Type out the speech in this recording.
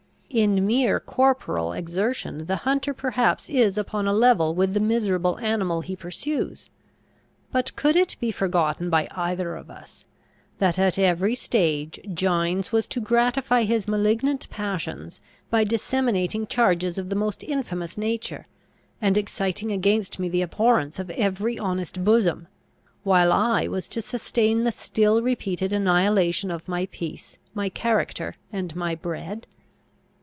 In mere corporal exertion the hunter perhaps is upon a level with the miserable animal he pursues! But could it be forgotten by either of us, that at every stage Gines was to gratify his malignant passions, by disseminating charges of the most infamous nature, and exciting against me the abhorrence of every honest bosom, while I was to sustain the still repeated annihilation of my peace, my character, and my bread?